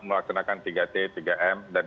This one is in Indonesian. melaksanakan tiga t tiga m dan